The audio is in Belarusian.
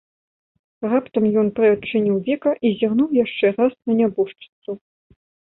Раптам ён прыадчыніў века і зірнуў яшчэ раз на нябожчыцу.